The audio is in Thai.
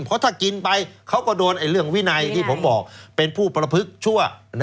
เพราะถ้ากินไปเขาก็โดนเรื่องวินัยที่ผมบอกเป็นผู้ประพฤกษั่ว